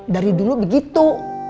dari dulu begitu